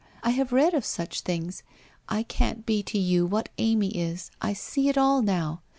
I have read of such things. I can't be to you what Amy is, I see it all now.